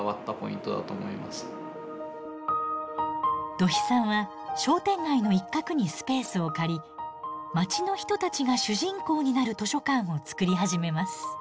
土肥さんは商店街の一角にスペースを借り街の人たちが主人公になる図書館を作り始めます。